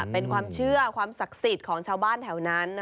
เป็นความเชื่อความศักดิ์สิทธิ์ของชาวบ้านแถวนั้น